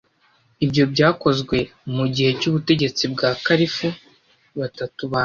Ibyo byakozwe mu gihe cy’ubutegetsi bwa ba kalifu batatu ba mbere,